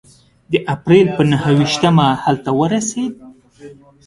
د اپرېل په نهه ویشتمه هلته ورسېد.